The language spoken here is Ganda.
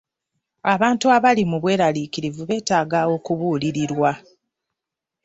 Abantu abali mu bweraliikirivu beetaaga okubuulirirwa.